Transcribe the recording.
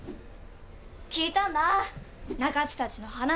聞いたんだ中津たちの話。